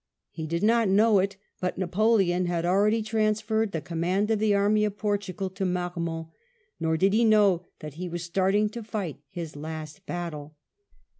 He did not know it, but Napoleon had already transferred the command of the Army of Portugal to Marmont ; nor did he know that he was starting to fight his last battle.